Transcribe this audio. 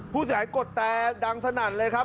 ผู้เสียหายกดแต่ดังสนั่นเลยครับ